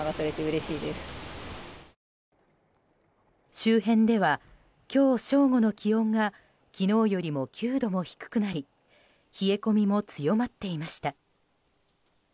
周辺では今日正午の気温が昨日よりも９度も低くなり冷え込みも強まっていました。